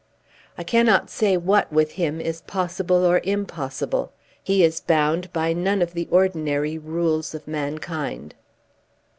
"I cannot say what with him is possible or impossible. He is bound by none of the ordinary rules of mankind."